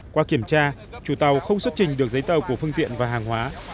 qua kiểm tra chủ tàu không xuất trình được giấy tờ của phương tiện và hàng hóa